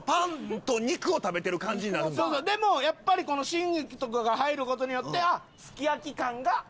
でもやっぱりこの春菊とかが入る事によってあっすき焼き感が。